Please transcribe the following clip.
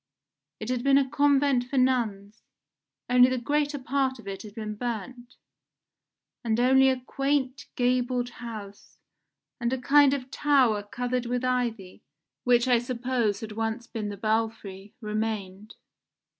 It had been a convent for nuns, only the greater part of it had been burnt, and only a quaint gabled house, and a kind of tower covered with ivy, which I suppose had once been the belfry, remained.